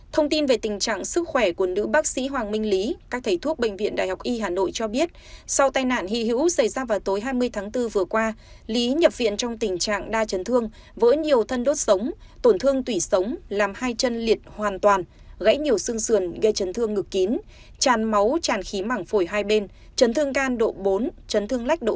thông tin về tình trạng sức khỏe của nữ bác sĩ hoàng minh lý các thầy thuốc bệnh viện đại học y hà nội cho biết sau tài nạn hì hữu xảy ra vào tối hai mươi tháng bốn vừa qua lý nhập viện trong tình trạng đa chấn thương vỡ nhiều thân đốt sống tổn thương tủy sống làm hai chân liệt hoàn toàn gãy nhiều xương sườn gây chấn thương ngực kín tràn máu tràn khí mảng phổi hai bên chấn thương can độ bốn chấn thương lách độ hai